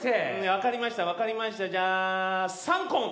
分かりました分かりましたじゃあ「さんこん」！